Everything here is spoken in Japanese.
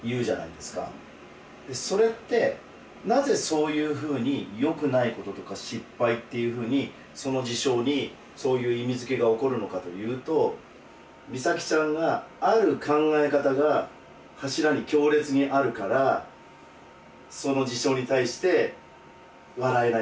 それってなぜそういうふうによくないこととか失敗っていうふうにその事象にそういう意味づけが起こるのかというと美咲ちゃんがある考え方が柱に強烈にあるからその事象に対して笑えないんだよ。